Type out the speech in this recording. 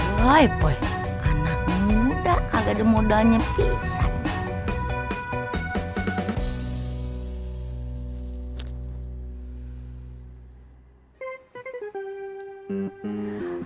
woy boy anak muda kagak demudahnya pisah